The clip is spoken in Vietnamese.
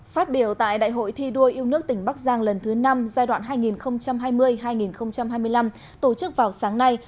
phát biểu tại đại hội thi đua yêu nước tỉnh bắc giang lần thứ năm giai đoạn hai nghìn hai mươi hai nghìn hai mươi năm tổ chức vào sáng nay